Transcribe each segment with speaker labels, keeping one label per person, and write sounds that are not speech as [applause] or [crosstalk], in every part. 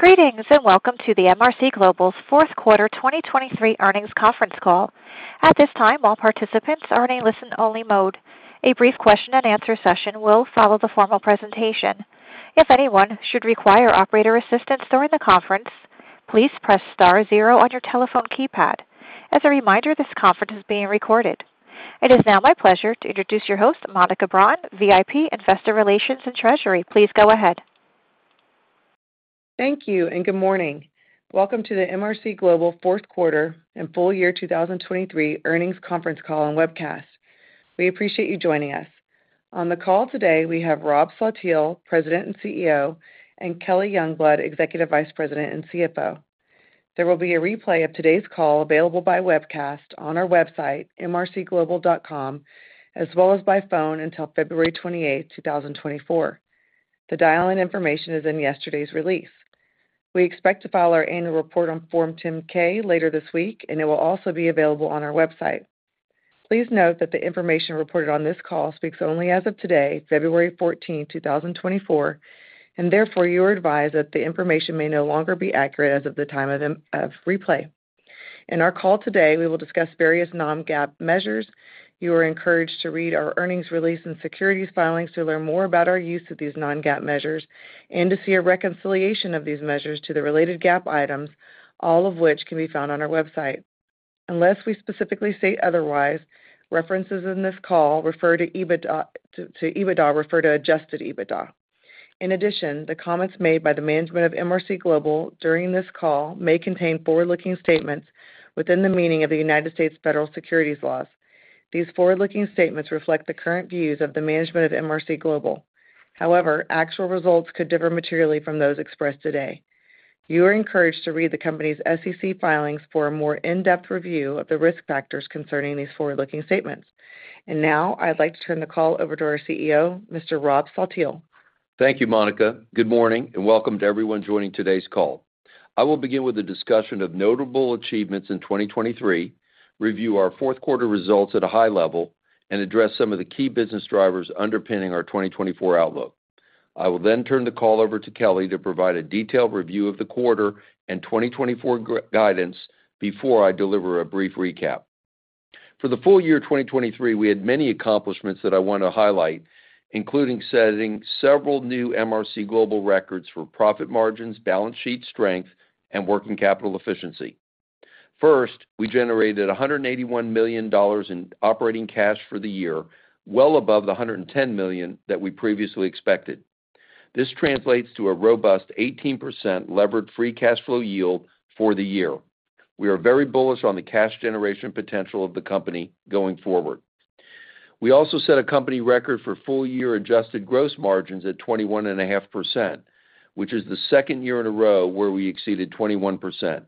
Speaker 1: Greetings, and welcome to the MRC Global's Fourth Quarter 2023 Earnings Conference Call. At this time, all participants are in a listen-only mode. A brief question-and-answer session will follow the formal presentation. If anyone should require operator assistance during the conference, please press star zero on your telephone keypad. As a reminder, this conference is being recorded. It is now my pleasure to introduce your host, Monica Broughton, VP, Investor Relations and Treasury. Please go ahead.
Speaker 2: Thank you and good morning. Welcome to the MRC Global fourth quarter and full year 2023 earnings conference call and webcast. We appreciate you joining us. On the call today, we have Rob Saltiel, President and CEO, and Kelly Youngblood, Executive Vice President and CFO. There will be a replay of today's call available by webcast on our website, mrcglobal.com, as well as by phone until February 28, 2024. The dial-in information is in yesterday's release. We expect to file our annual report on Form 10-K later this week, and it will also be available on our website. Please note that the information reported on this call speaks only as of today, February 14, 2024, and therefore, you are advised that the information may no longer be accurate as of the time of the replay. In our call today, we will discuss various non-GAAP measures. You are encouraged to read our earnings release and securities filings to learn more about our use of these non-GAAP measures and to see a reconciliation of these measures to the related GAAP items, all of which can be found on our website. Unless we specifically say otherwise, references in this call to EBITDA refer to adjusted EBITDA. In addition, the comments made by the management of MRC Global during this call may contain forward-looking statements within the meaning of the United States federal securities laws. These forward-looking statements reflect the current views of the management of MRC Global. However, actual results could differ materially from those expressed today. You are encouraged to read the company's SEC filings for a more in-depth review of the risk factors concerning these forward-looking statements. Now I'd like to turn the call over to our CEO, Mr. Rob Saltiel.
Speaker 3: Thank you, Monica. Good morning, and welcome to everyone joining today's call. I will begin with a discussion of notable achievements in 2023, review our fourth quarter results at a high level, and address some of the key business drivers underpinning our 2024 outlook. I will then turn the call over to Kelly to provide a detailed review of the quarter and 2024 guidance before I deliver a brief recap. For the full year 2023, we had many accomplishments that I want to highlight, including setting several new MRC Global records for profit margins, balance sheet strength, and working capital efficiency. First, we generated $181 million in operating cash for the year, well above the $110 million that we previously expected. This translates to a robust 18% levered free cash flow yield for the year. We are very bullish on the cash generation potential of the company going forward. We also set a company record for full-year adjusted gross margins at 21.5%, which is the second year in a row where we exceeded 21%.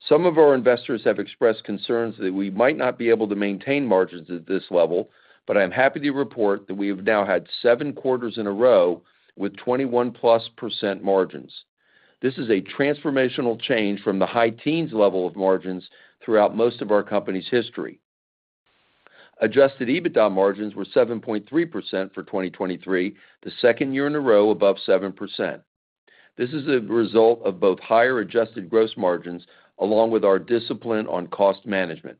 Speaker 3: Some of our investors have expressed concerns that we might not be able to maintain margins at this level, but I am happy to report that we have now had 7 quarters in a row with 21%+ margins. This is a transformational change from the high teens level of margins throughout most of our company's history. Adjusted EBITDA margins were 7.3% for 2023, the second year in a row above 7%. This is a result of both higher adjusted gross margins along with our discipline on cost management.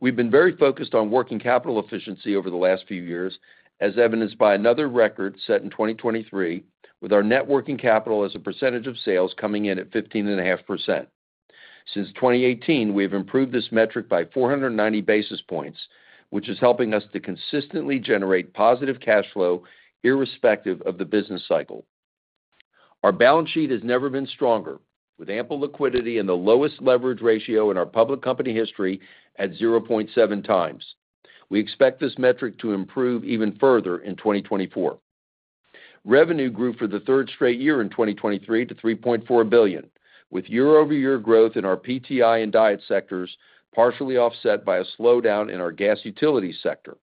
Speaker 3: We've been very focused on working capital efficiency over the last few years, as evidenced by another record set in 2023, with our net working capital as a percentage of sales coming in at 15.5%. Since 2018, we have improved this metric by 490 basis points, which is helping us to consistently generate positive cash flow, irrespective of the business cycle. Our balance sheet has never been stronger, with ample liquidity and the lowest leverage ratio in our public company history at 0.7x. We expect this metric to improve even further in 2024. Revenue grew for the third straight year in 2023 to $3.4 billion, with year-over-year growth in our PTI and DIET sectors, partially offset by a slowdown in our Gas Utility sector.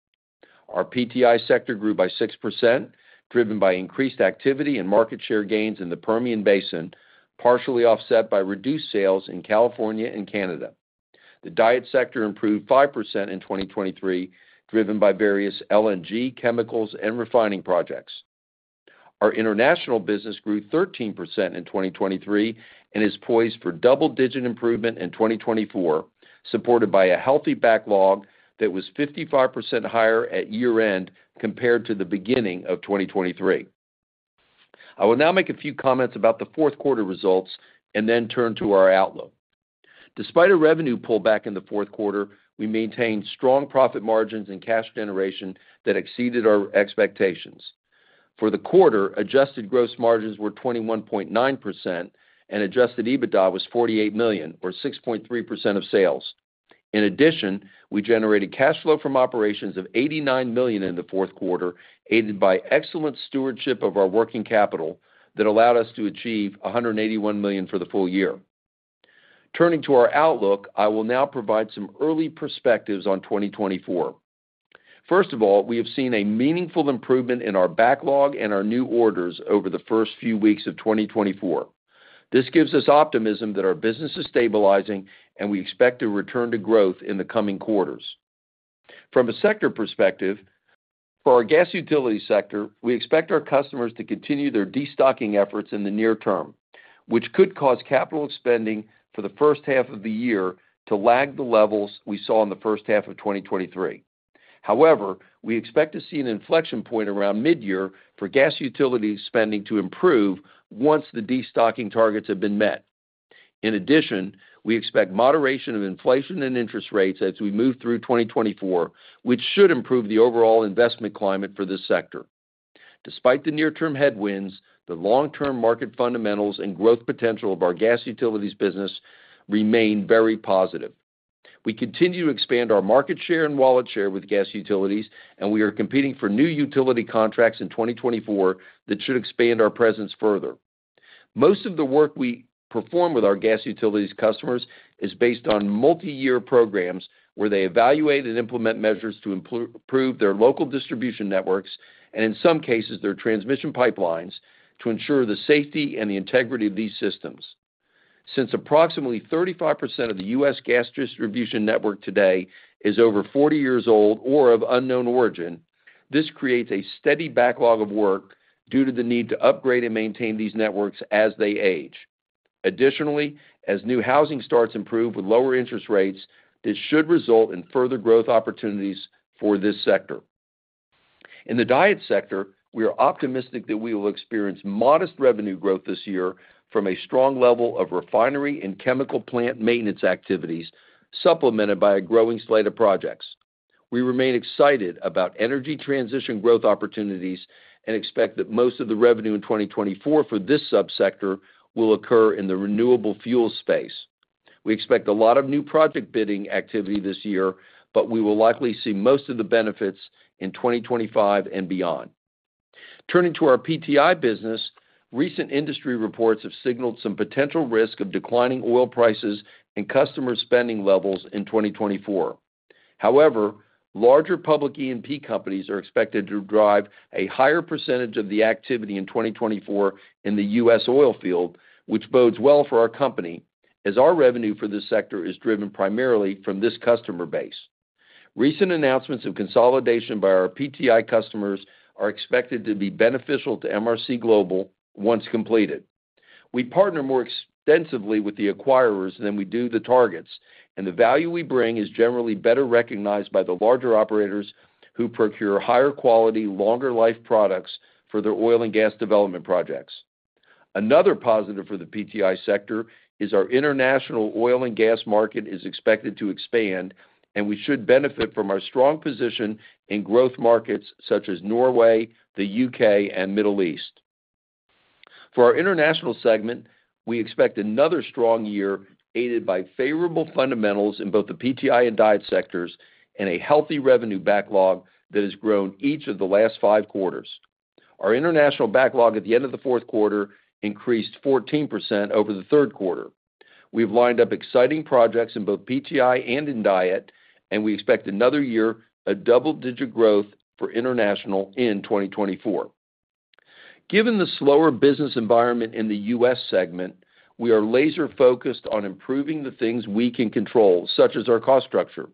Speaker 3: Our PTI sector grew by 6%, driven by increased activity and market share gains in the Permian Basin, partially offset by reduced sales in California and Canada. The DIET sector improved 5% in 2023, driven by various LNG, chemicals, and refining projects. Our international business grew 13% in 2023 and is poised for double-digit improvement in 2024, supported by a healthy backlog that was 55% higher at year-end compared to the beginning of 2023. I will now make a few comments about the fourth quarter results and then turn to our outlook. Despite a revenue pullback in the fourth quarter, we maintained strong profit margins and cash generation that exceeded our expectations. For the quarter, adjusted gross margins were 21.9%, and Adjusted EBITDA was $48 million, or 6.3% of sales. In addition, we generated cash flow from operations of $89 million in the fourth quarter, aided by excellent stewardship of our working capital that allowed us to achieve $181 million for the full year. Turning to our outlook, I will now provide some early perspectives on 2024. First of all, we have seen a meaningful improvement in our backlog and our new orders over the first few weeks of 2024. This gives us optimism that our business is stabilizing, and we expect to return to growth in the coming quarters.... From a sector perspective, for our Gas Utility sector, we expect our customers to continue their destocking efforts in the near term, which could cause capital spending for the first half of the year to lag the levels we saw in the first half of 2023. However, we expect to see an inflection point around midyear for Gas Utility spending to improve once the destocking targets have been met. In addition, we expect moderation of inflation and interest rates as we move through 2024, which should improve the overall investment climate for this sector. Despite the near-term headwinds, the long-term market fundamentals and growth potential of our Gas Utilities business remain very positive. We continue to expand our market share and wallet share with Gas Utilities, and we are competing for new utility contracts in 2024 that should expand our presence further. Most of the work we perform with our Gas Utilities customers is based on multiyear programs, where they evaluate and implement measures to improve their local distribution networks, and in some cases, their transmission pipelines, to ensure the safety and the integrity of these systems. Since approximately 35% of the U.S. gas distribution network today is over 40 years old or of unknown origin, this creates a steady backlog of work due to the need to upgrade and maintain these networks as they age. Additionally, as new housing starts improve with lower interest rates, this should result in further growth opportunities for this sector. In the DIET sector, we are optimistic that we will experience modest revenue growth this year from a strong level of refinery and chemical plant maintenance activities, supplemented by a growing slate of projects. We remain excited about energy transition growth opportunities and expect that most of the revenue in 2024 for this subsector will occur in the renewable fuel space. We expect a lot of new project bidding activity this year, but we will likely see most of the benefits in 2025 and beyond. Turning to our PTI business, recent industry reports have signaled some potential risk of declining oil prices and customer spending levels in 2024. However, larger public E&P companies are expected to drive a higher percentage of the activity in 2024 in the U.S. oil field, which bodes well for our company, as our revenue for this sector is driven primarily from this customer base. Recent announcements of consolidation by our PTI customers are expected to be beneficial to MRC Global once completed. We partner more extensively with the acquirers than we do the targets, and the value we bring is generally better recognized by the larger operators, who procure higher quality, longer life products for their oil and gas development projects. Another positive for the PTI sector is our international oil and gas market is expected to expand, and we should benefit from our strong position in growth markets such as Norway, the U.K., and Middle East. For our international segment, we expect another strong year, aided by favorable fundamentals in both the PTI and DIET sectors, and a healthy revenue backlog that has grown each of the last five quarters. Our international backlog at the end of the fourth quarter increased 14% over the third quarter. We've lined up exciting projects in both PTI and in DIET, and we expect another year of double-digit growth for international in 2024. Given the slower business environment in the U.S. segment, we are laser-focused on improving the things we can control, such as our cost structure.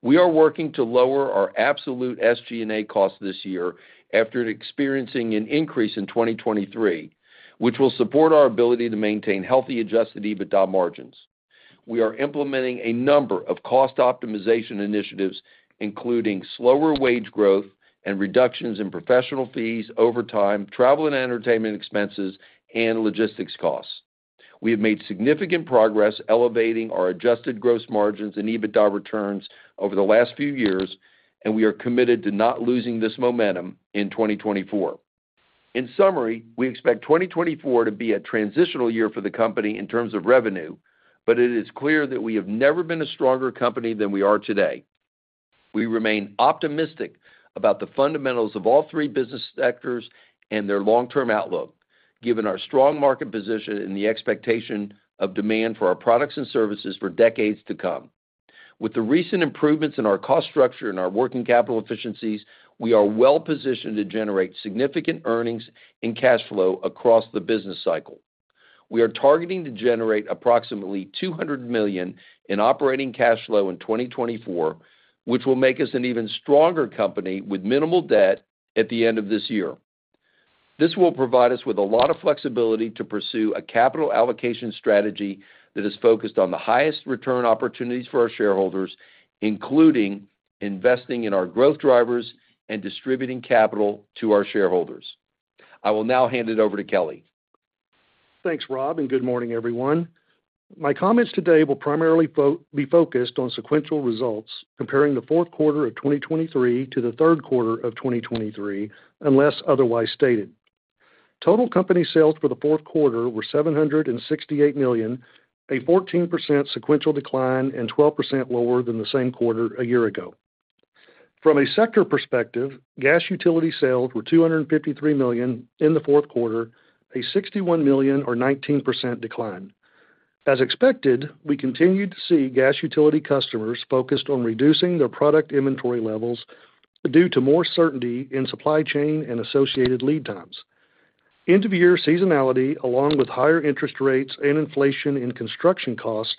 Speaker 3: We are working to lower our absolute SG&A costs this year after experiencing an increase in 2023, which will support our ability to maintain healthy adjusted EBITDA margins. We are implementing a number of cost optimization initiatives, including slower wage growth and reductions in professional fees, overtime, travel and entertainment expenses, and logistics costs. We have made significant progress elevating our adjusted gross margins and EBITDA returns over the last few years, and we are committed to not losing this momentum in 2024. In summary, we expect 2024 to be a transitional year for the company in terms of revenue, but it is clear that we have never been a stronger company than we are today. We remain optimistic about the fundamentals of all three business sectors and their long-term outlook, given our strong market position and the expectation of demand for our products and services for decades to come. With the recent improvements in our cost structure and our working capital efficiencies, we are well positioned to generate significant earnings and cash flow across the business cycle. We are targeting to generate approximately $200 million in operating cash flow in 2024, which will make us an even stronger company with minimal debt at the end of this year. This will provide us with a lot of flexibility to pursue a capital allocation strategy that is focused on the highest return opportunities for our shareholders, including investing in our growth drivers and distributing capital to our shareholders. I will now hand it over to Kelly.
Speaker 4: Thanks, Rob, and good morning, everyone. My comments today will primarily be focused on sequential results, comparing the fourth quarter of 2023 to the third quarter of 2023, unless otherwise stated. Total company sales for the fourth quarter were $768 million, a 14% sequential decline and 12% lower than the same quarter a year ago. From a sector perspective, Gas Utility sales were $253 million in the fourth quarter, a $61 million or 19% decline. As expected, we continued to see Gas Utility customers focused on reducing their product inventory levels due to more certainty in supply chain and associated lead times. End-of-year seasonality, along with higher interest rates and inflation in construction costs,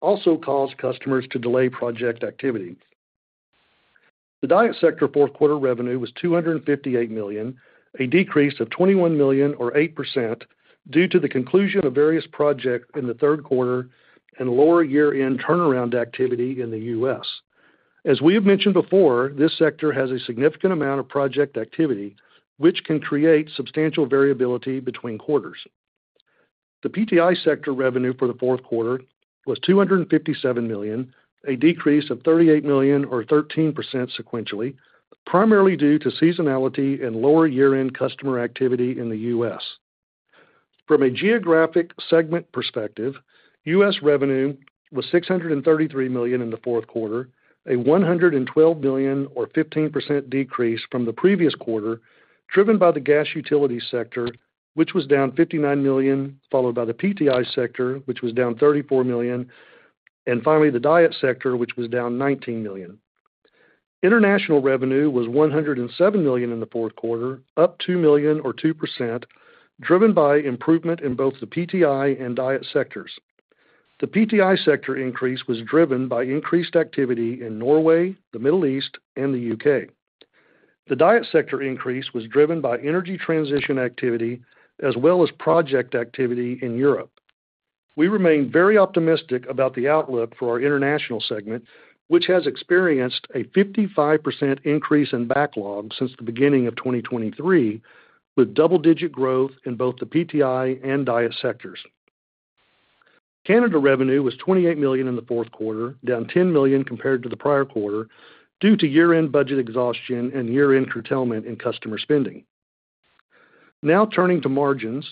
Speaker 4: also caused customers to delay project activity. The DIET sector fourth quarter revenue was $258 million, a decrease of $21 million or 8% due to the conclusion of various projects in the third quarter and lower year-end turnaround activity in the U.S. As we have mentioned before, this sector has a significant amount of project activity, which can create substantial variability between quarters. The PTI sector revenue for the fourth quarter was $257 million, a decrease of $38 million or 13% sequentially, primarily due to seasonality and lower year-end customer activity in the U.S. From a geographic segment perspective, U.S. revenue was $633 million in the fourth quarter, a $112 million, or 15% decrease from the previous quarter, driven by the Gas Utility sector, which was down $59 million, followed by the PTI sector, which was down $34 million, and finally, the DIET sector, which was down $19 million. International revenue was $107 million in the fourth quarter, up $2 million or 2%, driven by improvement in both the PTI and DIET sectors. The PTI sector increase was driven by increased activity in Norway, the Middle East, and the U.K. The DIET sector increase was driven by energy transition activity as well as project activity in Europe. We remain very optimistic about the outlook for our international segment, which has experienced a 55% increase in backlog since the beginning of 2023, with double-digit growth in both the PTI and DIET sectors. Canada revenue was $28 million in the fourth quarter, down $10 million compared to the prior quarter, due to year-end budget exhaustion and year-end curtailment in customer spending. Now turning to margins.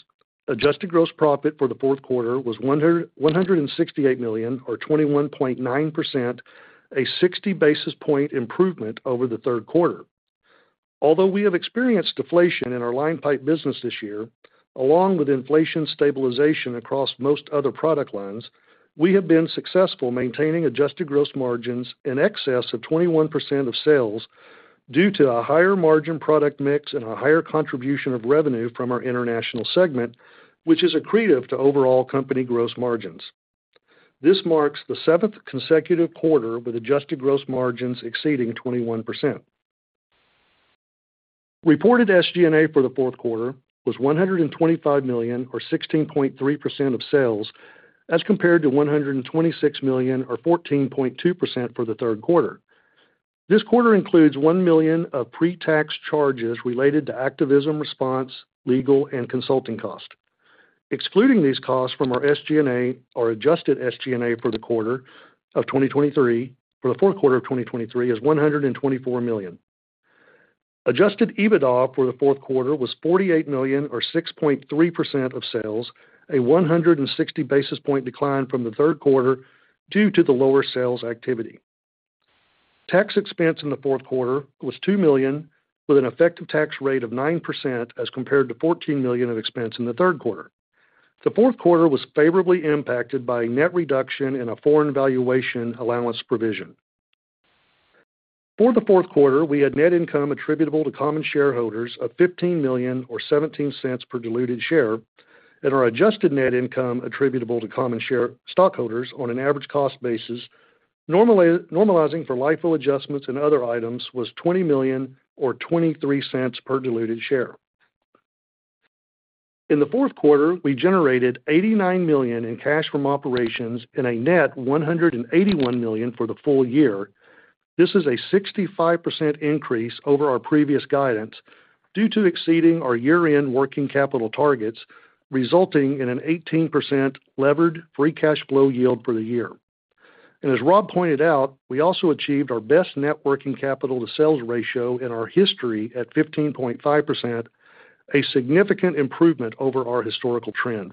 Speaker 4: Adjusted gross profit for the fourth quarter was $168 million, or 21.9%, a 60 basis point improvement over the third quarter. Although we have experienced deflation in our line pipe business this year, along with inflation stabilization across most other product lines, we have been successful maintaining adjusted gross margins in excess of 21% of sales due to a higher margin product mix and a higher contribution of revenue from our international segment, which is accretive to overall company gross margins. This marks the seventh consecutive quarter with adjusted gross margins exceeding 21%. Reported SG&A for the fourth quarter was $125 million, or 16.3% of sales, as compared to $126 million, or 14.2% for the third quarter. This quarter includes $1 million of pre-tax charges related to activism response, legal, and consulting costs. Excluding these costs from our SG&A, our adjusted SG&A for the fourth quarter of 2023 is $124 million. Adjusted EBITDA for the fourth quarter was $48 million, or 6.3% of sales, a 160 basis point decline from the third quarter due to the lower sales activity. Tax expense in the fourth quarter was $2 million, with an effective tax rate of 9%, as compared to $14 million of expense in the third quarter. The fourth quarter was favorably impacted by a net reduction in a foreign valuation allowance provision. For the fourth quarter, we had net income attributable to common shareholders of $15 million, or $0.17 per diluted share, and our adjusted net income attributable to common share stockholders on an average cost basis, normalizing for LIFO adjustments and other items, was $20 million or $0.23 per diluted share. In the fourth quarter, we generated $89 million in cash from operations and a net $181 million for the full year. This is a 65% increase over our previous guidance, due to exceeding our year-end working capital targets, resulting in an 18% levered free cash flow yield for the year. And as Rob pointed out, we also achieved our best net working capital to sales ratio in our history at 15.5%, a significant improvement over our historical trend.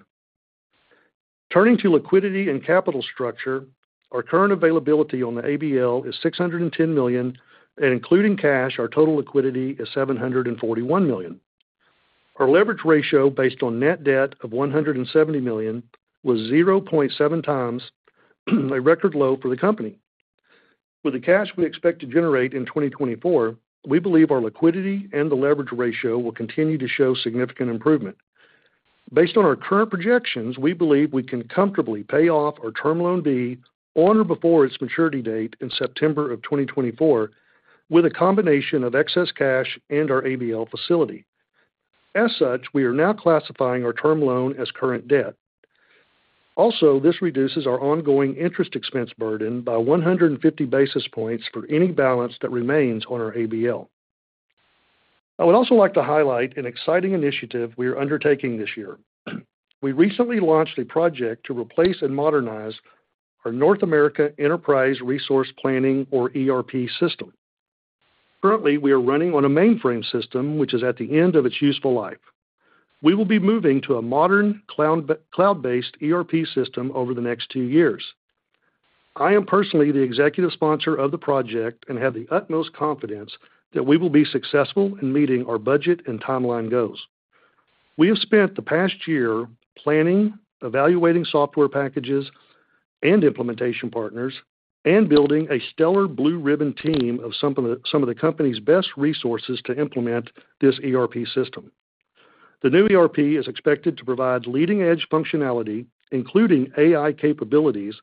Speaker 4: Turning to liquidity and capital structure, our current availability on the ABL is $610 million, and including cash, our total liquidity is $741 million. Our leverage ratio, based on net debt of $170 million, was 0.7x, a record low for the company. With the cash we expect to generate in 2024, we believe our liquidity and the leverage ratio will continue to show significant improvement. Based on our current projections, we believe we can comfortably pay off our Term Loan B on or before its maturity date in September 2024, with a combination of excess cash and our ABL facility. As such, we are now classifying our term loan as current debt. Also, this reduces our ongoing interest expense burden by 150 basis points for any balance that remains on our ABL. I would also like to highlight an exciting initiative we are undertaking this year. We recently launched a project to replace and modernize our North America Enterprise Resource Planning, or ERP system. Currently, we are running on a mainframe system, which is at the end of its useful life. We will be moving to a modern cloud-based ERP system over the next two years. I am personally the executive sponsor of the project and have the utmost confidence that we will be successful in meeting our budget and timeline goals. We have spent the past year planning, evaluating software packages and implementation partners, and building a stellar blue-ribbon team of some of the company's best resources to implement this ERP system. The new ERP is expected to provide leading-edge functionality, including AI capabilities,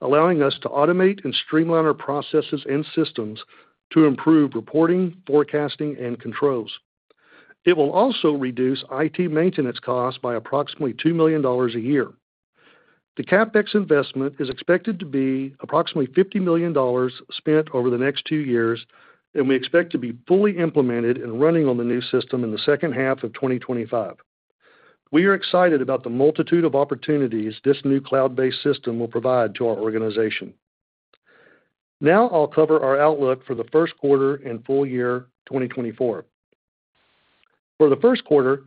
Speaker 4: allowing us to automate and streamline our processes and systems to improve reporting, forecasting, and controls. It will also reduce IT maintenance costs by approximately $2 million a year. The CapEx investment is expected to be approximately $50 million spent over the next two years, and we expect to be fully implemented and running on the new system in the second half of 2025. We are excited about the multitude of opportunities this new cloud-based system will provide to our organization. Now I'll cover our outlook for the first quarter and full year 2024. For the first quarter,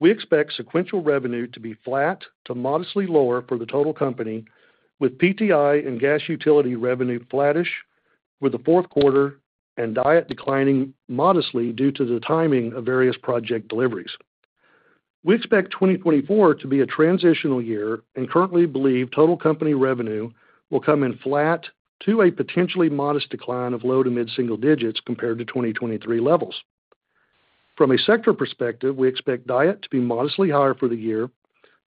Speaker 4: we expect sequential revenue to be flat to modestly lower for the total company, with PTI and Gas Utility revenue flattish with the fourth quarter and DIET declining modestly due to the timing of various project deliveries. We expect 2024 to be a transitional year and currently believe total company revenue will come in flat to a potentially modest decline of low to mid-single digits compared to 2023 levels. From a sector perspective, we expect DIET to be modestly higher for the year,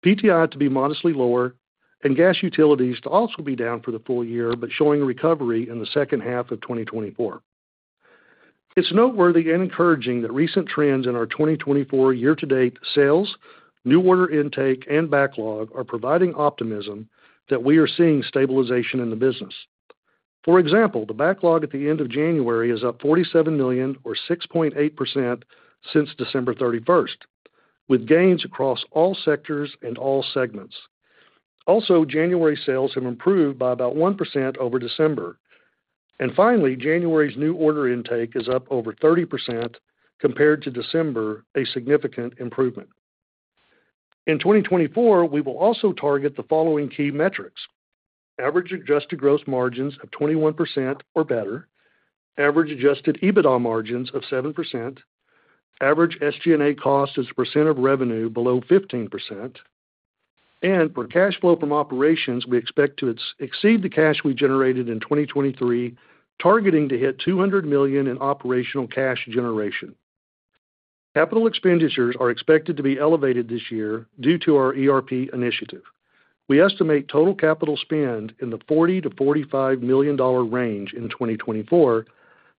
Speaker 4: PTI to be modestly lower, and Gas Utilities to also be down for the full year, but showing recovery in the second half of 2024. It's noteworthy and encouraging that recent trends in our 2024 year-to-date sales, new order intake, and backlog are providing optimism that we are seeing stabilization in the business. For example, the backlog at the end of January is up $47 million, or 6.8%, since December 31st, with gains across all sectors and all segments. Also, January sales have improved by about 1% over December. Finally, January's new order intake is up over 30% compared to December, a significant improvement. In 2024, we will also target the following key metrics: average adjusted gross margins of 21% or better, average Adjusted EBITDA margins of 7%, average SG&A cost as a percent of revenue below 15%, and for cash flow from operations, we expect to exceed the cash we generated in 2023, targeting to hit $200 million in operational cash generation. Capital expenditures are expected to be elevated this year due to our ERP initiative. We estimate total capital spend in the $40 million-$45 million range in 2024,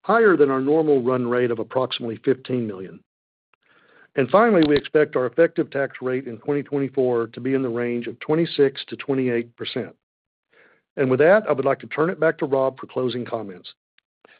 Speaker 4: higher than our normal run rate of approximately $15 million. And finally, we expect our effective tax rate in 2024 to be in the range of 26%-28%. And with that, I would like to turn it back to Rob for closing comments.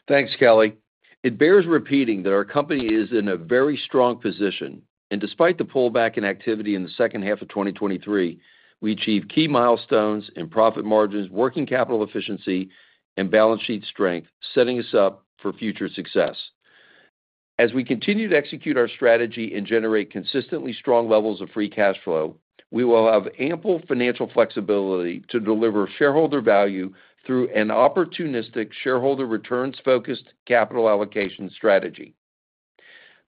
Speaker 3: Thanks, Kelly. It bears repeating that our company is in a very strong position, and despite the pullback in activity in the second half of 2023, we achieved key milestones in profit margins, working capital efficiency, and balance sheet strength, setting us up for future success. As we continue to execute our strategy and generate consistently strong levels of free cash flow, we will have ample financial flexibility to deliver shareholder value through an opportunistic, shareholder returns-focused capital allocation strategy.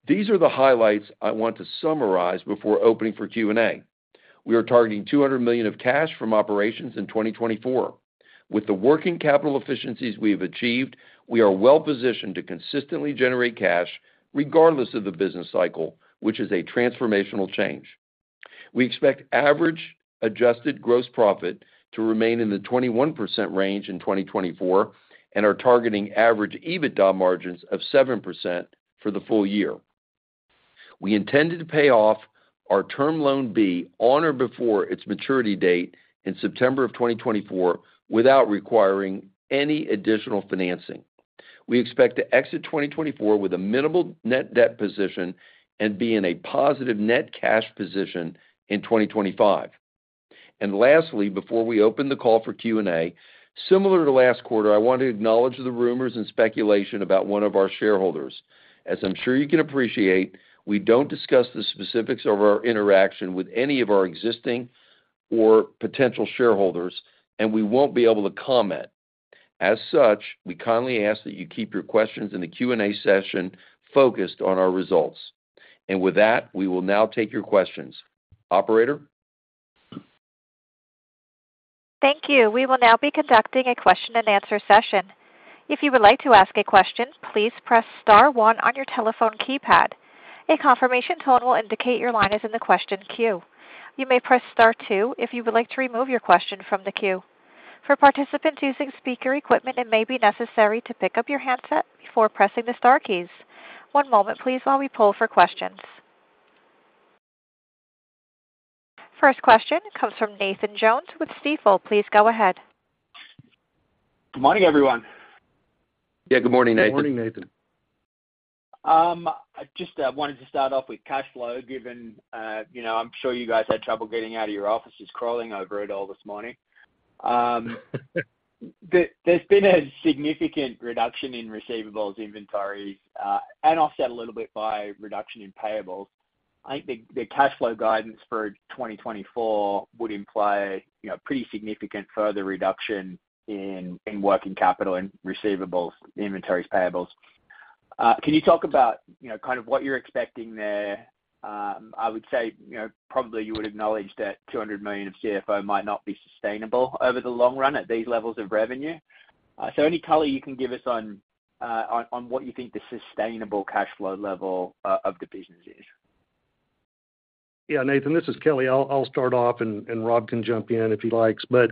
Speaker 3: These are the highlights I want to summarize before opening for Q&A. We are targeting $200 million of cash from operations in 2024. With the working capital efficiencies we have achieved, we are well positioned to consistently generate cash regardless of the business cycle, which is a transformational change. We expect average adjusted gross profit to remain in the 21% range in 2024 and are targeting average EBITDA margins of 7% for the full year. We intended to pay off our Term Loan B on or before its maturity date in September 2024, without requiring any additional financing. We expect to exit 2024 with a minimal net debt position and be in a positive net cash position in 2025. And lastly, before we open the call for Q&A, similar to last quarter, I want to acknowledge the rumors and speculation about one of our shareholders. As I'm sure you can appreciate, we don't discuss the specifics of our interaction with any of our existing or potential shareholders, and we won't be able to comment. As such, we kindly ask that you keep your questions in the Q&A session focused on our results. With that, we will now take your questions. Operator?
Speaker 1: Thank you. We will now be conducting a question-and-answer session. If you would like to ask a question, please press star one on your telephone keypad. A confirmation tone will indicate your line is in the question queue. You may press star two if you would like to remove your question from the queue. For participants using speaker equipment, it may be necessary to pick up your handset before pressing the star keys. One moment please while we poll for questions. First question comes from Nathan Jones with Stifel. Please go ahead.
Speaker 5: Good morning, everyone.
Speaker 3: Yeah. Good morning, Nathan.
Speaker 4: Good morning, Nathan.
Speaker 5: I just wanted to start off with cash flow, given, you know, I'm sure you guys had trouble getting out of your offices, crawling over it all this morning. There's been a significant reduction in receivables, inventories, and offset a little bit by reduction in payables. I think the cash flow guidance for 2024 would imply, you know, pretty significant further reduction in working capital and receivables, inventories, payables. Can you talk about, you know, kind of what you're expecting there? I would say, you know, probably you would acknowledge that $200 million of [audio distortion] might not be sustainable over the long run at these levels of revenue. So any color you can give us on what you think the sustainable cash flow level of the business is?
Speaker 4: Yeah, Nathan, this is Kelly. I'll, I'll start off, and, and Rob can jump in if he likes. But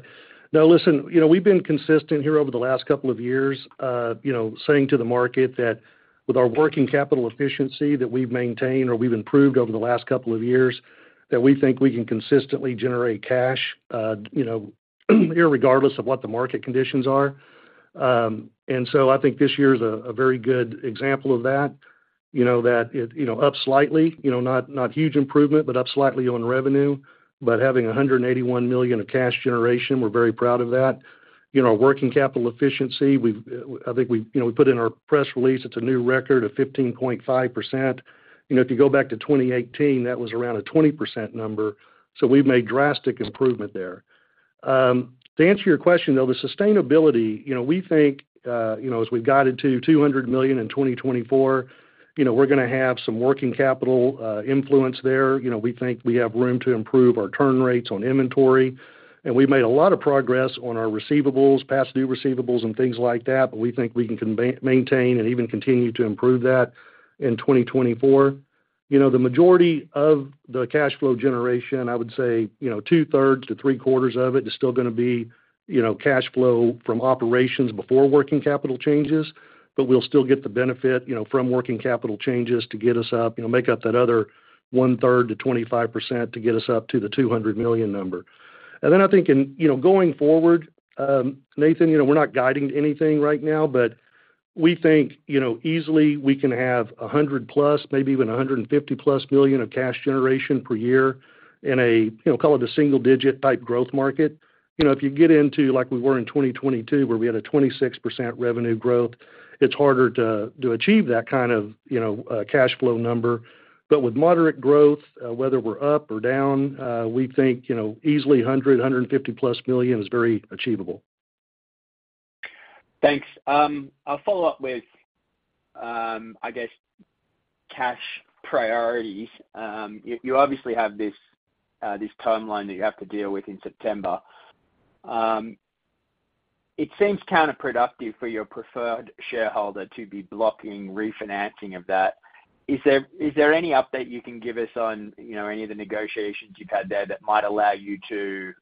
Speaker 4: no, listen, you know, we've been consistent here over the last couple of years, you know, saying to the market that with our working capital efficiency that we've maintained or we've improved over the last couple of years, that we think we can consistently generate cash, you know, irregardless of what the market conditions are. And so I think this year is a very good example of that. You know, that it, you know, up slightly, you know, not, not huge improvement, but up slightly on revenue, but having $181 million of cash generation, we're very proud of that. You know, working capital efficiency, we've, I think we, you know, we put in our press release, it's a new record of 15.5%. You know, if you go back to 2018, that was around a 20% number, so we've made drastic improvement there. To answer your question, though, the sustainability, you know, we think, you know, as we've guided to $200 million in 2024, you know, we're gonna have some working capital influence there. You know, we think we have room to improve our turn rates on inventory, and we've made a lot of progress on our receivables, past due receivables, and things like that, but we think we can maintain and even continue to improve that in 2024. You know, the majority of the cash flow generation, I would say, you know, two-thirds to three-quarters of it, is still gonna be, you know, cash flow from operations before working capital changes. But we'll still get the benefit, you know, from working capital changes to get us up, you know, make up that other one-third to 25% to get us up to the $200 million number. And then I think in, you know, going forward, Nathan, you know, we're not guiding anything right now, but we think, you know, easily we can have $100+, maybe even $150+ million of cash generation per year in a, you know, call it a single-digit type growth market. You know, if you get into, like we were in 2022, where we had 26% revenue growth, it's harder to achieve that kind of, you know, cash flow number. But with moderate growth, whether we're up or down, we think, you know, easily $100 million-$150+ million is very achievable.
Speaker 5: Thanks. I'll follow up with, I guess, cash priorities. You obviously have this timeline that you have to deal with in September. It seems counterproductive for your preferred shareholder to be blocking refinancing of that. Is there any update you can give us on, you know, any of the negotiations you've had there that might allow you to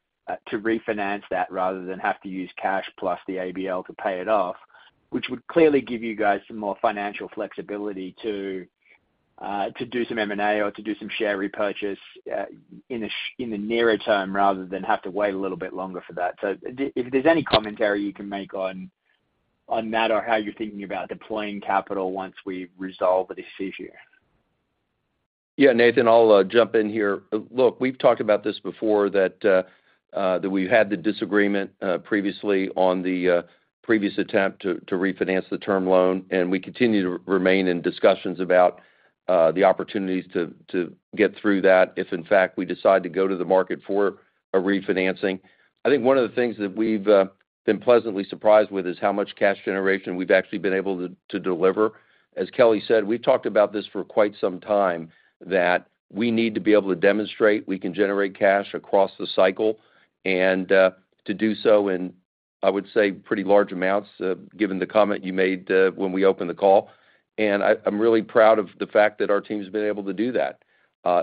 Speaker 5: refinance that, rather than have to use cash plus the ABL to pay it off? Which would clearly give you guys some more financial flexibility to do some M&A or to do some share repurchase in the nearer term, rather than have to wait a little bit longer for that. So if there's any commentary you can make on that, or how you're thinking about deploying capital once we've resolved this issue.
Speaker 3: Yeah, Nathan, I'll jump in here. Look, we've talked about this before, that we've had the disagreement previously on the previous attempt to refinance the term loan, and we continue to remain in discussions about the opportunities to get through that, if in fact, we decide to go to the market for a refinancing. I think one of the things that we've been pleasantly surprised with is how much cash generation we've actually been able to deliver. As Kelly said, we've talked about this for quite some time, that we need to be able to demonstrate we can generate cash across the cycle, and to do so in, I would say, pretty large amounts, given the comment you made when we opened the call. I, I'm really proud of the fact that our team's been able to do that.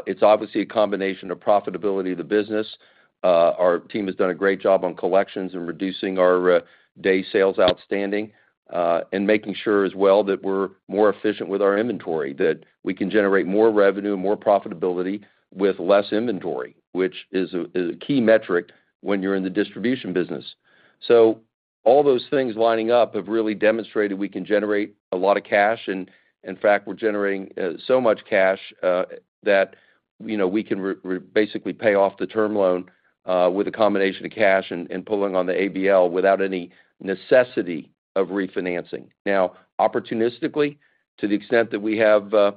Speaker 3: It's obviously a combination of profitability of the business. Our team has done a great job on collections and reducing our day sales outstanding, and making sure as well that we're more efficient with our inventory, that we can generate more revenue and more profitability with less inventory, which is a key metric when you're in the distribution business. So all those things lining up have really demonstrated we can generate a lot of cash, and in fact, we're generating so much cash that, you know, we can basically pay off the term loan with a combination of cash and pulling on the ABL without any necessity of refinancing. Now, opportunistically, to the extent that we have a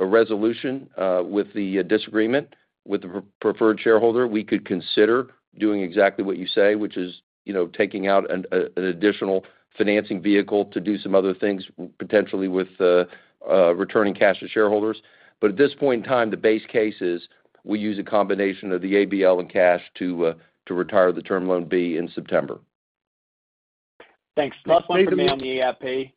Speaker 3: resolution with the disagreement with the preferred shareholder, we could consider doing exactly what you say, which is, you know, taking out an additional financing vehicle to do some other things, potentially with returning cash to shareholders. But at this point in time, the base case is we use a combination of the ABL and cash to retire the term loan B in September.
Speaker 5: Thanks. Last one for me on the ERP.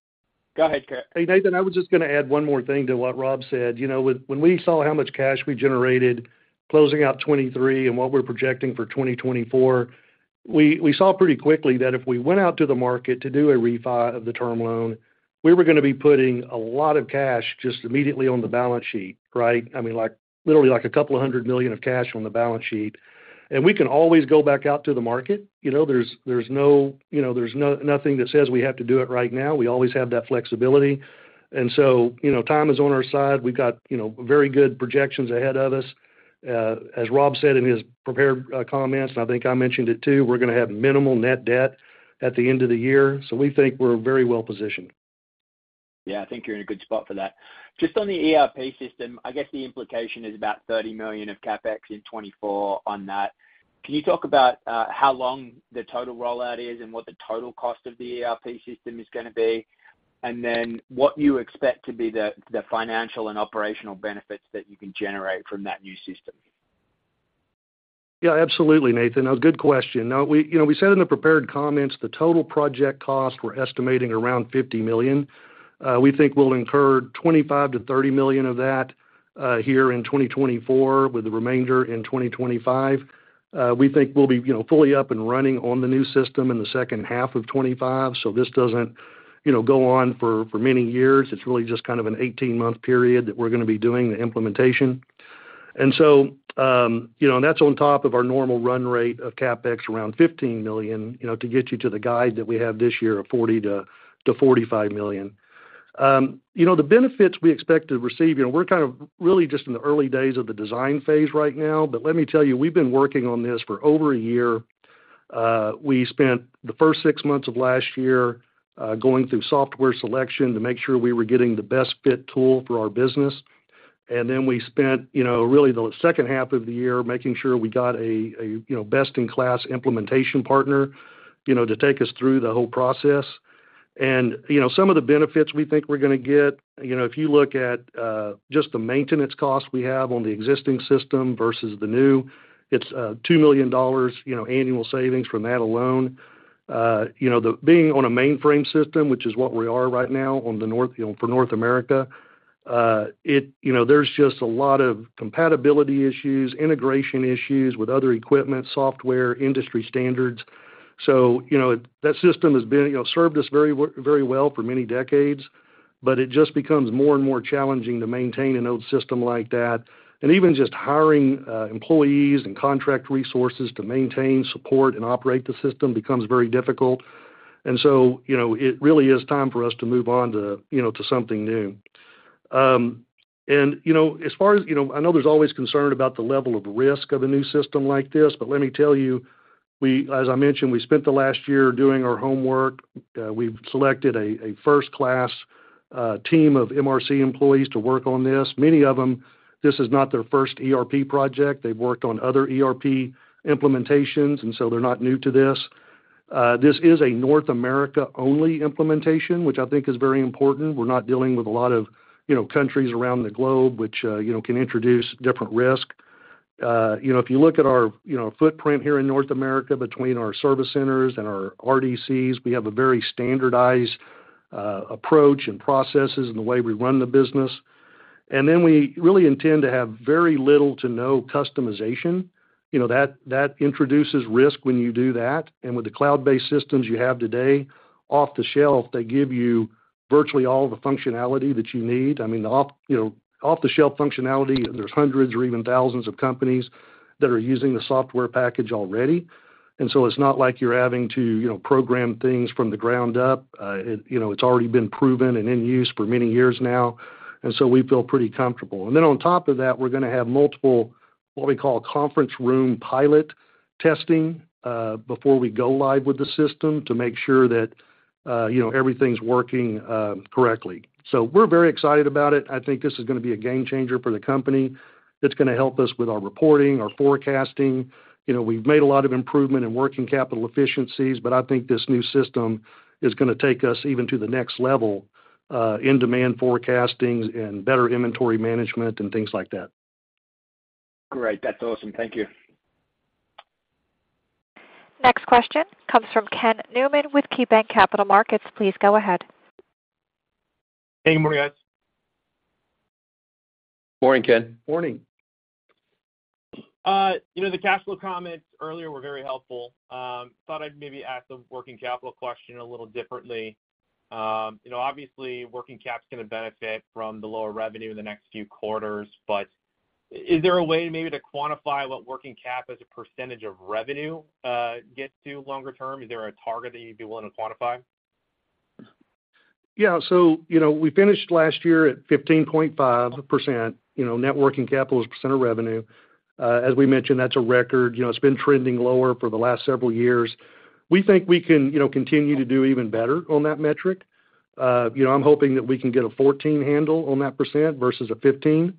Speaker 5: Go ahead, Kelly.
Speaker 4: Hey, Nathan, I was just gonna add one more thing to what Rob said. You know, when we saw how much cash we generated closing out 2023 and what we're projecting for 2024, we saw pretty quickly that if we went out to the market to do a refi of the term loan, we were gonna be putting a lot of cash just immediately on the balance sheet, right? I mean, like, literally like $200 million of cash on the balance sheet. And we can always go back out to the market. You know, there's nothing that says we have to do it right now. We always have that flexibility. And so, you know, time is on our side. We've got, you know, very good projections ahead of us. As Rob said in his prepared comments, and I think I mentioned it too, we're gonna have minimal net debt at the end of the year, so we think we're very well positioned.
Speaker 5: Yeah, I think you're in a good spot for that. Just on the ERP system, I guess the implication is about $30 million of CapEx in 2024 on that. Can you talk about how long the total rollout is and what the total cost of the ERP system is gonna be? And then what you expect to be the financial and operational benefits that you can generate from that new system?
Speaker 4: Yeah, absolutely, Nathan. A good question. Now, we, you know, we said in the prepared comments, the total project costs, we're estimating around $50 million. We think we'll incur $25 million-$30 million of that here in 2024, with the remainder in 2025. We think we'll be, you know, fully up and running on the new system in the second half of 2025. So this doesn't, you know, go on for, for many years. It's really just kind of an 18-month period that we're gonna be doing the implementation. And so, you know, and that's on top of our normal run rate of CapEx, around $15 million, you know, to get you to the guide that we have this year of $40 million-$45 million. You know, the benefits we expect to receive, you know, we're kind of really just in the early days of the design phase right now, but let me tell you, we've been working on this for over a year. We spent the first six months of last year going through software selection to make sure we were getting the best fit tool for our business. And then we spent, you know, really the second half of the year making sure we got a, you know, best-in-class implementation partner, you know, to take us through the whole process. And, you know, some of the benefits we think we're gonna get, you know, if you look at just the maintenance costs we have on the existing system versus the new, it's $2 million annual savings from that alone. You know, the being on a mainframe system, which is what we are right now on the North, you know, for North America, it, you know, there's just a lot of compatibility issues, integration issues with other equipment, software, industry standards. So, you know, that system has been, you know, served us very well, very well for many decades, but it just becomes more and more challenging to maintain an old system like that. And even just hiring employees and contract resources to maintain, support, and operate the system becomes very difficult. And so, you know, it really is time for us to move on to, you know, to something new. And, you know, as far as you know, I know there's always concern about the level of risk of a new system like this, but let me tell you, we, as I mentioned, we spent the last year doing our homework. We've selected a first-class team of MRC employees to work on this. Many of them, this is not their first ERP project. They've worked on other ERP implementations, and so they're not new to this. This is a North America-only implementation, which I think is very important. We're not dealing with a lot of, you know, countries around the globe, which, you know, can introduce different risk. You know, if you look at our footprint here in North America, between our service centers and our RDCs, we have a very standardized approach and processes in the way we run the business. And then we really intend to have very little to no customization. You know, that introduces risk when you do that. And with the cloud-based systems you have today, off-the-shelf, they give you virtually all the functionality that you need. I mean, you know, off-the-shelf functionality, there's hundreds or even thousands of companies that are using the software package already, and so it's not like you're having to, you know, program things from the ground up. You know, it's already been proven and in use for many years now, and so we feel pretty comfortable. And then on top of that, we're gonna have multiple, what we call, conference room pilot testing, before we go live with the system to make sure that, you know, everything's working, correctly. So we're very excited about it. I think this is gonna be a game changer for the company. It's gonna help us with our reporting, our forecasting. You know, we've made a lot of improvement in working capital efficiencies, but I think this new system is gonna take us even to the next level, in demand forecasting and better inventory management and things like that.
Speaker 5: Great. That's awesome. Thank you.
Speaker 1: Next question comes from Ken Newman with KeyBanc Capital Markets. Please go ahead.
Speaker 6: Hey, good morning, guys.
Speaker 5: Morning, Ken.
Speaker 4: Morning.
Speaker 6: You know, the cash flow comments earlier were very helpful. Thought I'd maybe ask a working capital question a little differently. You know, obviously, working cap's gonna benefit from the lower revenue in the next few quarters, but is there a way maybe to quantify what working cap as a percentage of revenue get to longer term? Is there a target that you'd be willing to quantify?
Speaker 4: Yeah. So, you know, we finished last year at 15.5%. You know, net working capital as a percent of revenue. As we mentioned, that's a record. You know, it's been trending lower for the last several years. We think we can, you know, continue to do even better on that metric. You know, I'm hoping that we can get a 14 handle on that percent versus a 15.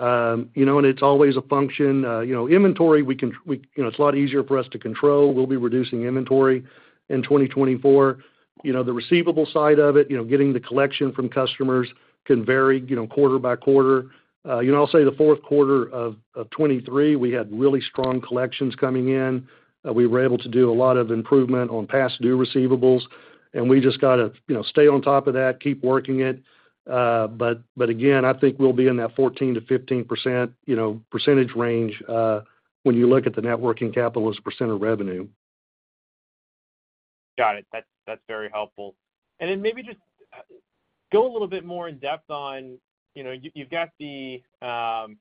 Speaker 4: You know, and it's always a function. You know, inventory, we can, we—you know, it's a lot easier for us to control. We'll be reducing inventory in 2024. You know, the receivable side of it, you know, getting the collection from customers can vary, you know, quarter by quarter. You know, I'll say the fourth quarter of 2023, we had really strong collections coming in. We were able to do a lot of improvement on past due receivables, and we just got to, you know, stay on top of that, keep working it. But again, I think we'll be in that 14%-15%, you know, percentage range, when you look at the net working capital as a % of revenue.
Speaker 6: Got it. That's, that's very helpful. And then maybe just go a little bit more in-depth on, you know, you've got the ERP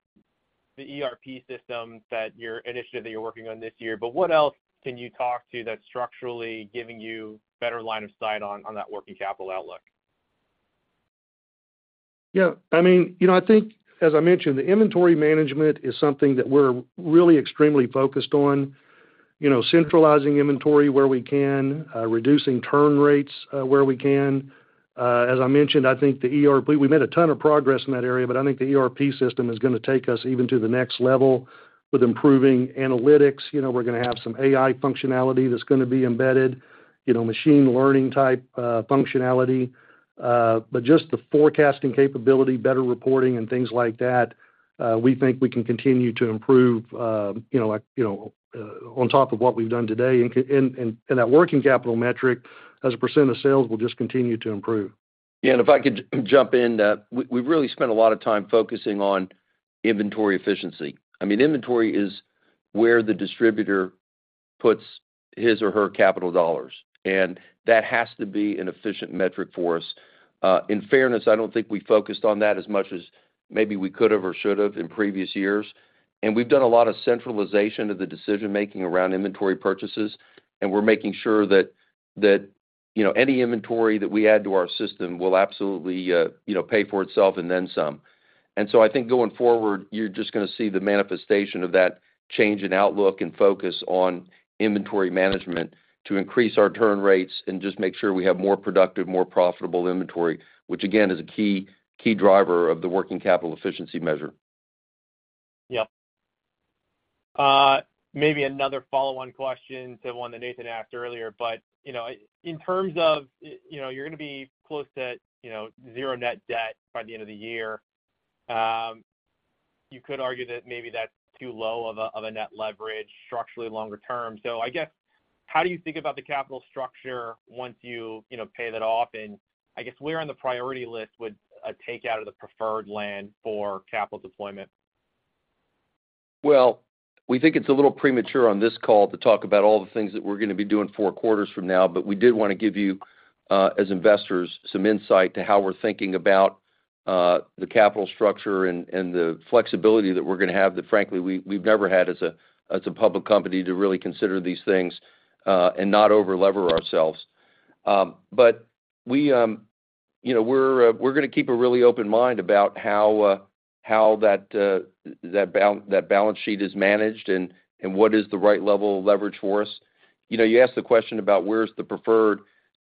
Speaker 6: system initiative that you're working on this year, but what else can you talk to that's structurally giving you better line of sight on that working capital outlook?
Speaker 4: Yeah, I mean, you know, I think, as I mentioned, the inventory management is something that we're really extremely focused on. You know, centralizing inventory where we can, reducing turn rates, where we can. As I mentioned, I think the ERP, we've made a ton of progress in that area, but I think the ERP system is gonna take us even to the next level with improving analytics. You know, we're gonna have some AI functionality that's gonna be embedded, you know, machine learning type functionality. But just the forecasting capability, better reporting, and things like that, we think we can continue to improve, you know, like, you know, on top of what we've done today. And that working capital metric, as a percent of sales, will just continue to improve.
Speaker 3: Yeah, and if I could jump in, we've really spent a lot of time focusing on inventory efficiency. I mean, inventory is where the distributor puts his or her capital dollars, and that has to be an efficient metric for us. In fairness, I don't think we focused on that as much as maybe we could have or should have in previous years. We've done a lot of centralization of the decision-making around inventory purchases, and we're making sure that you know, any inventory that we add to our system will absolutely, you know, pay for itself and then some. And so I think going forward, you're just gonna see the manifestation of that change in outlook and focus on inventory management to increase our turn rates and just make sure we have more productive, more profitable inventory, which, again, is a key, key driver of the working capital efficiency measure.
Speaker 6: Yep. Maybe another follow-on question to one that Nathan asked earlier. But, you know, in terms of, you know, you're gonna be close to, you know, zero net debt by the end of the year. You could argue that maybe that's too low of a net leverage structurally longer term. So I guess, how do you think about the capital structure once you, you know, pay that off? And I guess, where on the priority list would a take out of the preferred land for capital deployment?
Speaker 3: Well, we think it's a little premature on this call to talk about all the things that we're gonna be doing four quarters from now, but we did wanna give you, as investors, some insight to how we're thinking about the capital structure and the flexibility that we're gonna have, that frankly, we've never had as a public company to really consider these things and not over-lever ourselves. But we, you know, we're gonna keep a really open mind about how that balance sheet is managed and what is the right level of leverage for us. You know, you asked the question about where's the preferred?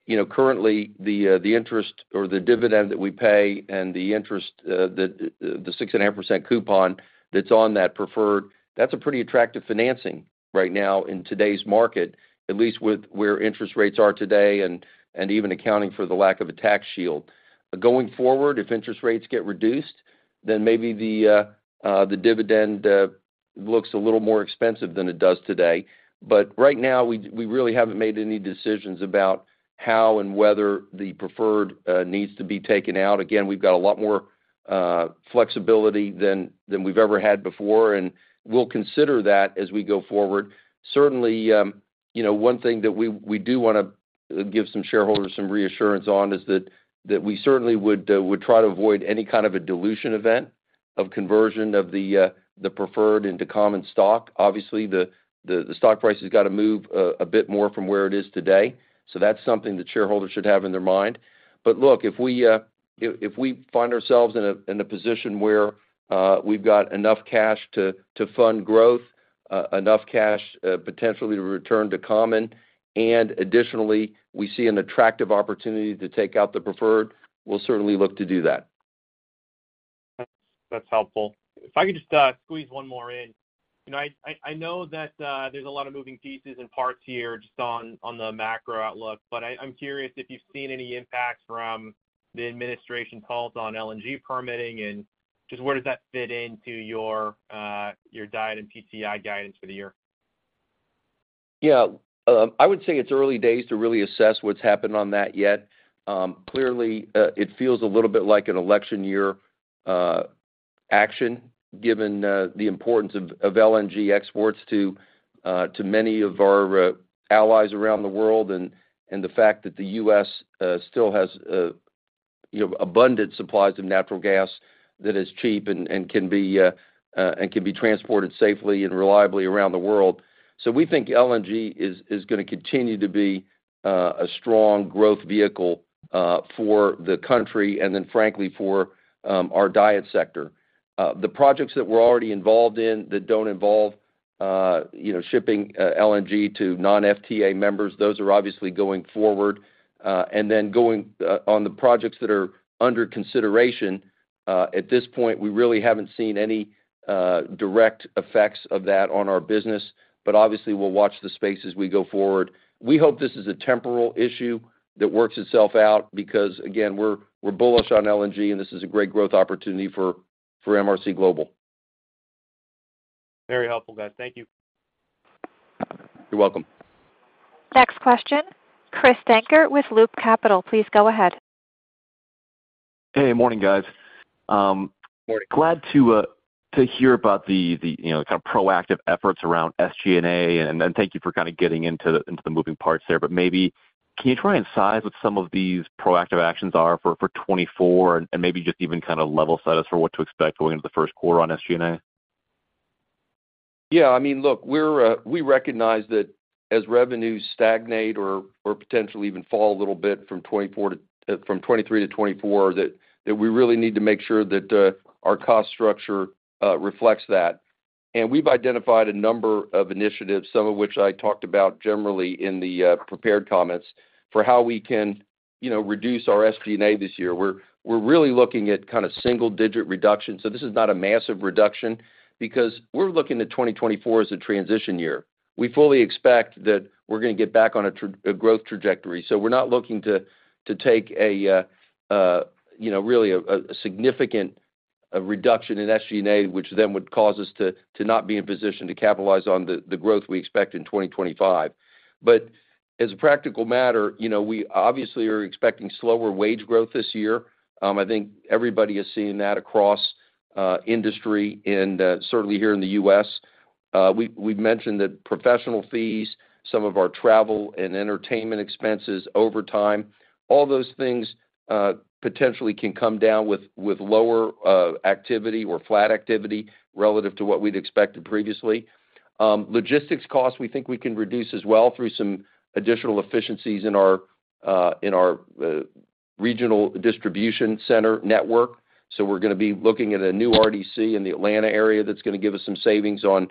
Speaker 3: You know, currently, the interest or the dividend that we pay and the interest, the 6.5% coupon that's on that preferred, that's a pretty attractive financing right now in today's market, at least with where interest rates are today and even accounting for the lack of a tax shield. Going forward, if interest rates get reduced, then maybe the dividend looks a little more expensive than it does today. But right now, we really haven't made any decisions about how and whether the preferred needs to be taken out. Again, we've got a lot more flexibility than we've ever had before, and we'll consider that as we go forward. Certainly, you know, one thing that we do wanna give some shareholders some reassurance on is that we certainly would try to avoid any kind of a dilution event of conversion of the preferred into common stock. Obviously, the stock price has got to move a bit more from where it is today, so that's something that shareholders should have in their mind. But look, if we find ourselves in a position where we've got enough cash to fund growth, enough cash potentially to return to common, and additionally, we see an attractive opportunity to take out the preferred, we'll certainly look to do that.
Speaker 6: That's helpful. If I could just squeeze one more in. You know, I know that there's a lot of moving pieces and parts here just on the macro outlook, but I'm curious if you've seen any impact from the administration calls on LNG permitting, and just where does that fit into your DIET and PTI guidance for the year?
Speaker 3: Yeah. I would say it's early days to really assess what's happened on that yet. Clearly, it feels a little bit like an election year action, given the importance of LNG exports to many of our allies around the world, and the fact that the U.S. still has, you know, abundant supplies of natural gas that is cheap and can be transported safely and reliably around the world. So we think LNG is gonna continue to be a strong growth vehicle for the country, and then frankly, for our DIET sector. The projects that we're already involved in that don't involve, you know, shipping LNG to non-FTA members, those are obviously going forward. And then going on the projects that are under consideration at this point, we really haven't seen any direct effects of that on our business, but obviously, we'll watch this space as we go forward. We hope this is a temporary issue that works itself out because, again, we're bullish on LNG, and this is a great growth opportunity for MRC Global.
Speaker 6: Very helpful, guys. Thank you.
Speaker 3: You're welcome.
Speaker 1: Next question, Chris Dankert with Loop Capital, please go ahead.
Speaker 7: Hey, morning, guys.
Speaker 3: Morning.
Speaker 7: Glad to hear about the, the, you know, kind of proactive efforts around SG&A, and then thank you for kind of getting into the, into the moving parts there. But maybe, can you try and size what some of these proactive actions are for, for 2024, and, and maybe just even kind of level set us for what to expect going into the first quarter on SG&A?
Speaker 3: Yeah, I mean, look, we're we recognize that as revenues stagnate or potentially even fall a little bit from 2023-2024, that we really need to make sure that our cost structure reflects that. And we've identified a number of initiatives, some of which I talked about generally in the prepared comments, for how we can, you know, reduce our SG&A this year. We're really looking at kind of single-digit reduction. So this is not a massive reduction, because we're looking at 2024 as a transition year. We fully expect that we're gonna get back on a growth trajectory. So we're not looking to take a, you know, really a significant reduction in SG&A, which then would cause us to not be in position to capitalize on the growth we expect in 2025. But as a practical matter, you know, we obviously are expecting slower wage growth this year. I think everybody is seeing that across industry and certainly here in the U.S. We've mentioned that professional fees, some of our travel and entertainment expenses, overtime, all those things potentially can come down with lower activity or flat activity relative to what we'd expected previously. Logistics costs, we think we can reduce as well through some additional efficiencies in our regional distribution center network. So we're gonna be looking at a new RDC in the Atlanta area that's gonna give us some savings on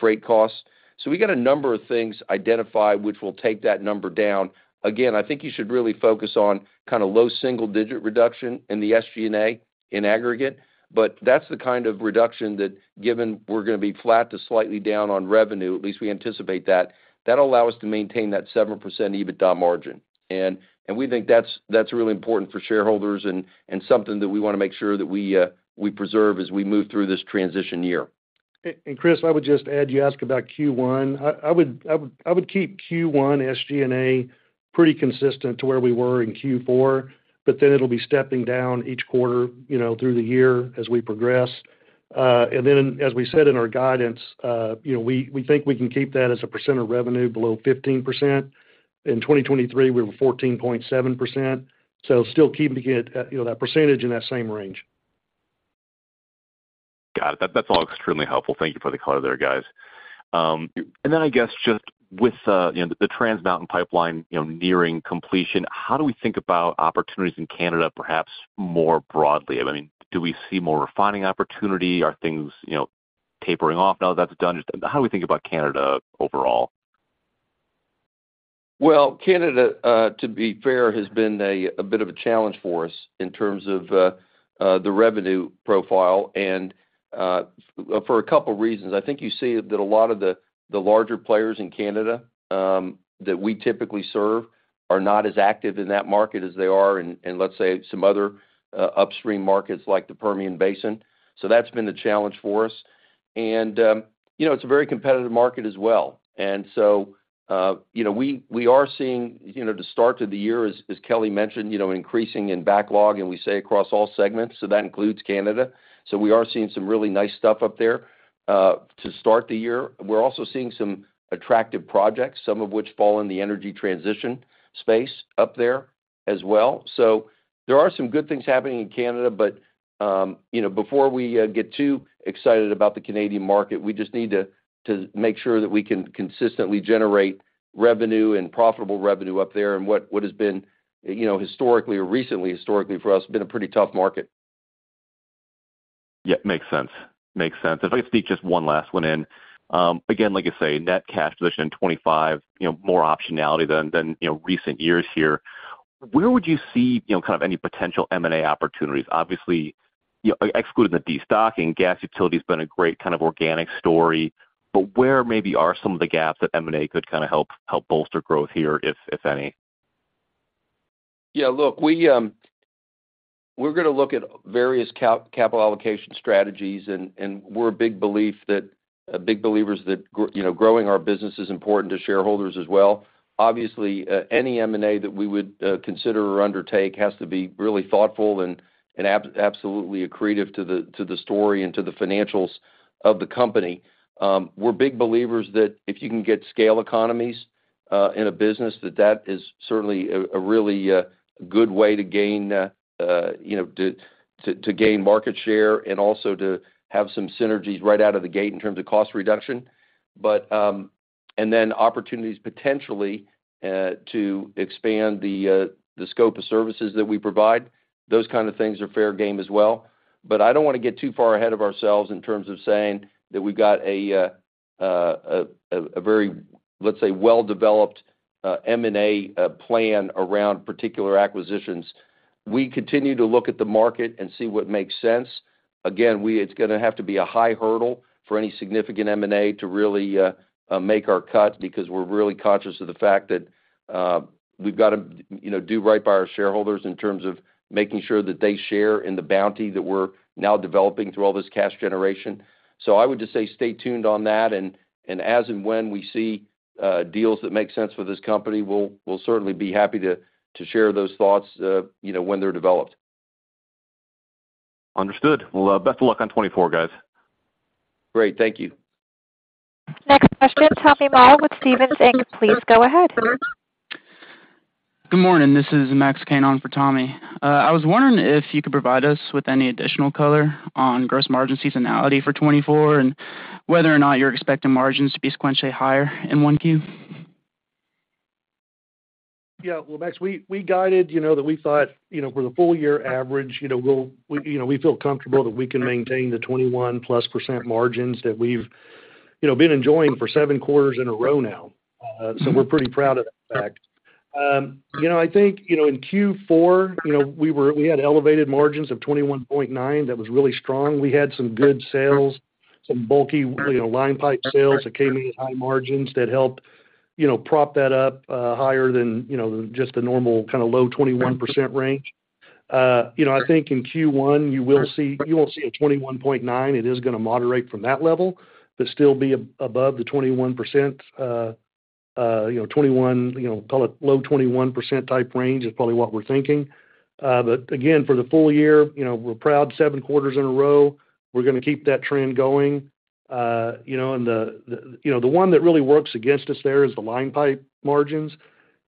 Speaker 3: freight costs. So we got a number of things identified, which will take that number down. Again, I think you should really focus on kind of low single-digit reduction in the SG&A in aggregate, but that's the kind of reduction that, given we're gonna be flat to slightly down on revenue, at least we anticipate that, that'll allow us to maintain that 7% EBITDA margin. And we think that's really important for shareholders and something that we wanna make sure that we preserve as we move through this transition year.
Speaker 4: And Chris, I would just add, you asked about Q1. I would keep Q1 SG&A pretty consistent to where we were in Q4, but then it'll be stepping down each quarter, you know, through the year as we progress. And then, as we said in our guidance, you know, we think we can keep that as a percent of revenue below 15%. In 2023, we were 14.7%, so still keeping it, you know, that percentage in that same range.
Speaker 7: Got it. That's all extremely helpful. Thank you for the color there, guys. And then I guess just with, you know, the Trans Mountain Pipeline, you know, nearing completion, how do we think about opportunities in Canada, perhaps more broadly? I mean, do we see more refining opportunity? Are things, you know, tapering off now that that's done? Just how do we think about Canada overall?
Speaker 3: Well, Canada, to be fair, has been a bit of a challenge for us in terms of the revenue profile, and for a couple reasons. I think you see that a lot of the larger players in Canada that we typically serve are not as active in that market as they are in, let's say, some other upstream markets like the Permian Basin. So that's been a challenge for us. And you know, it's a very competitive market as well. And so you know, we are seeing you know, the start to the year, as Kelly mentioned, you know, increasing in backlog, and we say across all segments, so that includes Canada. So we are seeing some really nice stuff up there to start the year. We're also seeing some attractive projects, some of which fall in the energy transition space up there as well. So there are some good things happening in Canada, but, you know, before we get too excited about the Canadian market, we just need to make sure that we can consistently generate revenue and profitable revenue up there, and what has been, you know, historically or recently, historically for us, been a pretty tough market.
Speaker 7: Yeah, makes sense. Makes sense. If I could sneak just one last one in. Again, like I say, net cash position in 2025, you know, more optionality than, than, you know, recent years here. Where would you see, you know, kind of any potential M&A opportunities? Obviously, you-- excluding the destocking, Gas Utility has been a great kind of organic story, but where maybe are some of the gaps that M&A could kind of help, help bolster growth here, if, if any?
Speaker 3: Yeah, look, we, we're gonna look at various capital allocation strategies, and, and we're big believers that you know, growing our business is important to shareholders as well. Obviously, any M&A that we would consider or undertake has to be really thoughtful and, and absolutely accretive to the, to the story and to the financials of the company. We're big believers that if you can get scale economies, in a business, that that is certainly a, a really, good way to gain, you know, to, to, to gain market share and also to have some synergies right out of the gate in terms of cost reduction. But... And then opportunities potentially, to expand the, the scope of services that we provide, those kind of things are fair game as well. But I don't wanna get too far ahead of ourselves in terms of saying that we've got a very, let's say, well-developed M&A plan around particular acquisitions. We continue to look at the market and see what makes sense. Again, it's gonna have to be a high hurdle for any significant M&A to really make our cut, because we're really conscious of the fact that we've got to, you know, do right by our shareholders in terms of making sure that they share in the bounty that we're now developing through all this cash generation. So I would just say stay tuned on that, and as and when we see deals that make sense for this company, we'll, we'll certainly be happy to, to share those thoughts, you know, when they're developed.
Speaker 7: Understood. Well, best of luck on 2024, guys.
Speaker 3: Great. Thank you.
Speaker 1: Next question, Tommy Moll with Stephens Inc. Please go ahead.
Speaker 8: Good morning, this is Max Canan for Tommy. I was wondering if you could provide us with any additional color on gross margin seasonality for 2024, and whether or not you're expecting margins to be sequentially higher in 1Q?
Speaker 4: Yeah, well, Max, we guided, you know, that we thought, you know, for the full year average, you know, we'll, you know, we feel comfortable that we can maintain the 21%+ margins that we've, you know, been enjoying for seven quarters in a row now. So we're pretty proud of that fact. You know, I think, you know, in Q4, you know, we had elevated margins of 21.9%. That was really strong. We had some good sales, some bulky, you know, line pipe sales that came in at high margins that helped, you know, prop that up, higher than, you know, just the normal kind of low 21% range. You know, I think in Q1, you won't see a 21.9%. It is gonna moderate from that level, but still be above the 21%, you know, 21. You know, call it low 21% type range is probably what we're thinking. But again, for the full year, you know, we're proud 7 quarters in a row. We're gonna keep that trend going. You know, the one that really works against us there is the line pipe margins.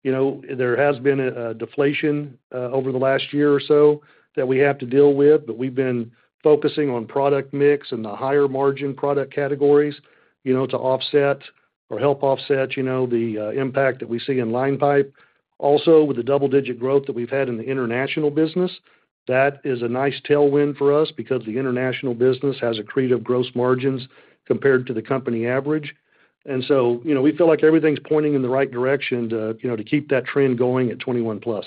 Speaker 4: You know, there has been a deflation over the last year or so that we have to deal with, but we've been focusing on product mix and the higher margin product categories, you know, to offset or help offset, you know, the impact that we see in line pipe. Also, with the double-digit growth that we've had in the international business, that is a nice tailwind for us because the international business has accretive gross margins compared to the company average. And so, you know, we feel like everything's pointing in the right direction to, you know, to keep that trend going at 21+.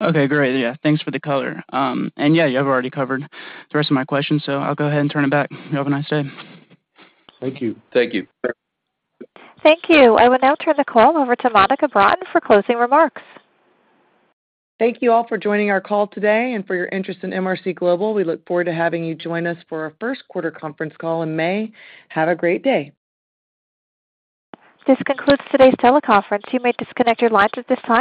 Speaker 8: Okay, great. Yeah, thanks for the color. And yeah, you have already covered the rest of my questions, so I'll go ahead and turn it back. You have a nice day.
Speaker 4: Thank you. Thank you.
Speaker 1: Thank you. I will now turn the call over to Monica Broughton for closing remarks.
Speaker 2: Thank you all for joining our call today and for your interest in MRC Global. We look forward to having you join us for our first quarter conference call in May. Have a great day.
Speaker 1: This concludes today's teleconference. You may disconnect your lines at this time.